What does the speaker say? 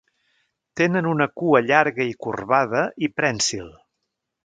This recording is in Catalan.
Tenen una cua llarga i corbada i prènsil.